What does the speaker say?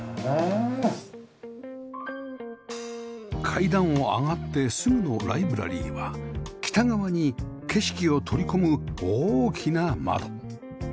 階段を上がってすぐのライブラリーは北側に景色を取り込む大きな窓